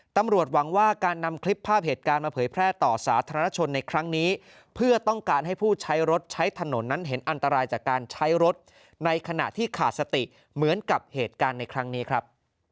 ตำรวจหวังว่าการนำคลิปภาพเหตุการณ์มาเผยแพร่ต่อสาธารณชนในครั้งนี้เพื่อต้องการให้ผู้ใช้รถใช้ถนนนั้นเห็นอันตรายจากการใช้รถในขณะที่ขาดสติเหมือนกับเหตุการณ์ในครั้งนี้ครับ